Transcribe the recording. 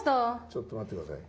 ちょっと待って下さい。